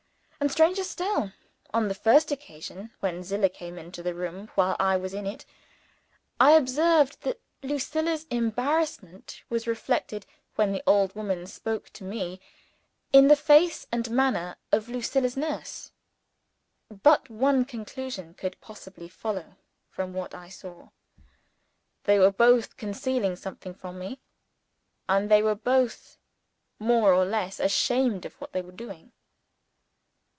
And, stranger still, on the first occasion when Zillah came into the room, while I was in it, I observed that Lucilla's embarrassment was reflected (when the old woman spoke to me) in the face and manner of Lucilla's nurse. But one conclusion could possibly follow from what I saw: they were both concealing something from me; and they were both more or less ashamed of what they were doing.